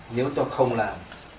nếu tôi không làm